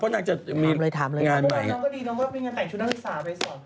พ่อหนักก็ดีน้องก็มีเงินแต่งชุดนักศึกษาไปสอนพระ